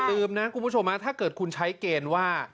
ลืมนะคุณผู้ชมถ้าเกิดคุณใช้เกณฑ์ว่า